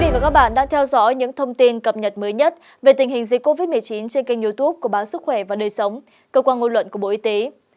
quý vị và các bạn đang theo dõi những thông tin cập nhật mới nhất về tình hình dịch covid một mươi chín trên kênh youtube của báo sức khỏe và đời sống cơ quan ngôn luận của bộ y tế